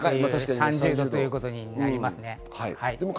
３０度ぐらいということになります。